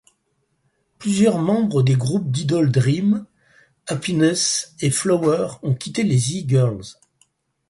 Plusieurs membres des groupes d'idoles Dream, Happiness et Flower ont quitté les E-Girls.